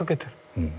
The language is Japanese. うん。